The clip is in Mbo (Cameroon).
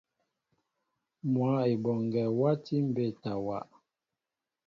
Mwă Eboŋgue wati mbétawa.